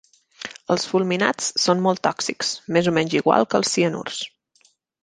Els fulminats són molt tòxics, més o menys igual que els cianurs.